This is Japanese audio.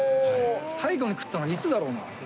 最後に食ったのいつだろうな。